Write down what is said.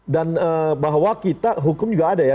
dan bahwa kita hukum juga ada ya